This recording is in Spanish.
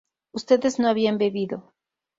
ustedes no habían bebido